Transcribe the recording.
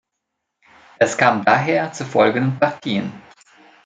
Es kam daher zu folgenden Partien.